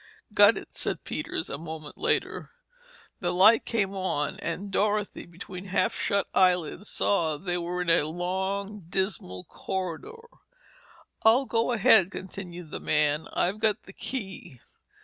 "Got it," said Peters, a moment later. The light came on and Dorothy, between half shut eyelids saw that they were in a long, dismal corridor. "I'll go ahead," continued the man, "I've got the key."